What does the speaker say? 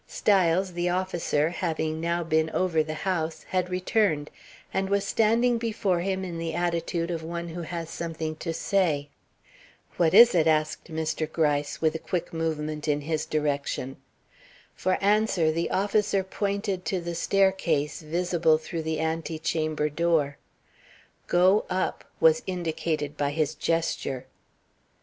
Styles, the officer, having now been over the house, had returned, and was standing before him in the attitude of one who has something to say. "What is it?" asked Mr. Gryce, with a quick movement in his direction. For answer the officer pointed to the staircase visible through the antechamber door. "Go up!" was indicated by his gesture.